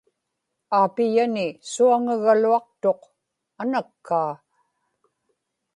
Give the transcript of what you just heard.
aapiyani suaŋagaluaqtuq anakkaa